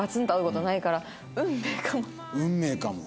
運命かも。